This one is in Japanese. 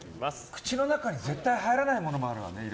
口の中に絶対入らないものもあるわね。